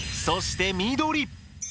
そして緑。